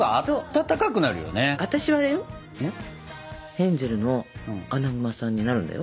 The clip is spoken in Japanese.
ヘンゼルのアナグマさんになるんだよ。